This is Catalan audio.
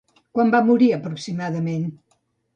Quan va morir aproximadament?